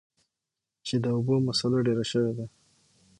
چې د اوبو مسله ډېره شوي ده ـ